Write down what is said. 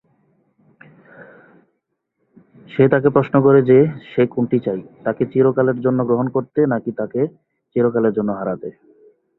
সে তাকে প্রশ্ন করে যে সে কোনটি চাই, তাকে চিরকালের জন্য গ্রহণ করতে নাকি তাকে চিরকালের জন্য হারাতে।